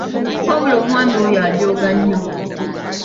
Wabula omwami oyo ajooga nnyo.